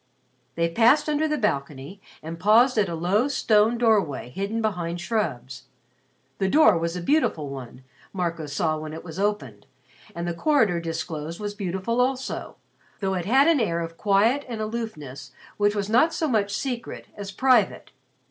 They passed under the balcony and paused at a low stone doorway hidden behind shrubs. The door was a beautiful one, Marco saw when it was opened, and the corridor disclosed was beautiful also, though it had an air of quiet and aloofness which was not so much secret as private.